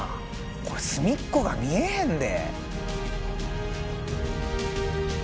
これすみっこが見えへんで。